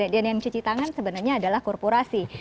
dan yang cuci tangan sebenarnya adalah korporasi